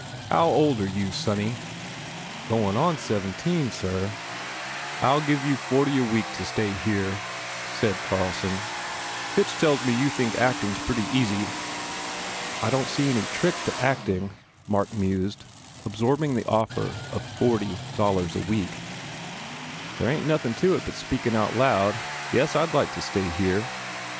"How old are you, sonny?" "Coin* on seventeen, sir." "I ll give you forty a week to stay here," said 21 THE FAIR REWARDS Carlson, "Fitch tells me you think acting s pretty easy." "I don t see any trick to acting," Mark mused, absorbing the offer of forty dollars a week, "There ain t nothin to it but speakin out loud. ... Yes, I d like to stay here."